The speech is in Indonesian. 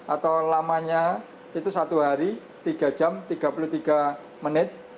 atau lamanya itu satu hari tiga jam tiga puluh tiga menit